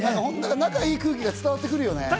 仲いい空気が伝わってくるね。